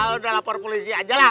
ya udah lapor polisi aja lah